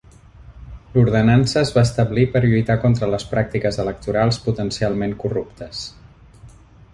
L'ordenança es va establir per lluitar contra les pràctiques electorals potencialment corruptes.